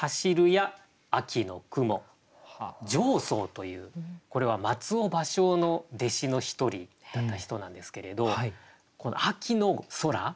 丈草というこれは松尾芭蕉の弟子の一人だった人なんですけれどこの秋の空。